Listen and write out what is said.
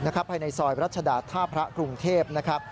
ภายในซอยรัชดาท่าพระกรุงเทพนะครับ